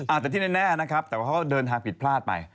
อาจจะที่แน่นะครับแต่ว่าเขาก็เดินทางผิดพลาดไป